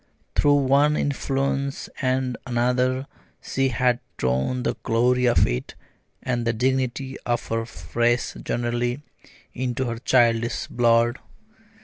Through one influence and another she had drawn the glory of it, and the dignity of her race generally, into her childish blood.